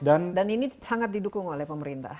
dan ini sangat didukung oleh pemerintah